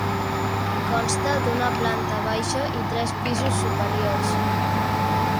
Consta d'una planta baixa i tres pisos superiors.